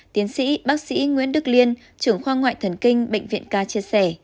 tiến sĩ bác sĩ nguyễn đức liên trưởng khoa ngoại thần kinh bệnh viện k chia sẻ